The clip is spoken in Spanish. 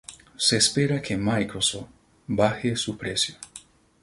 Se espera que Microsoft baje su precio.